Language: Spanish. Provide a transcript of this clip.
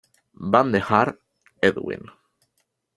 Van de Haar, Edwin.